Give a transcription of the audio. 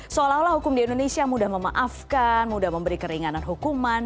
seolah olah hukum di indonesia mudah memaafkan mudah memberi keringanan hukuman